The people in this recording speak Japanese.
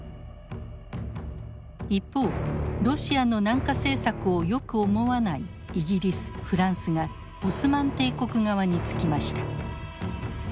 一方ロシアの南下政策をよく思わないイギリスフランスがオスマン帝国側につきました。